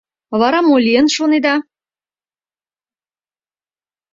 Вара мо лийын, шонеда?